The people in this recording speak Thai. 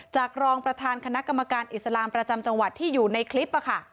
รองประธานคณะกรรมการอิสลามประจำจังหวัดที่อยู่ในคลิป